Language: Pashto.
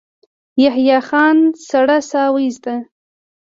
يحيی خان سړه سا وايسته.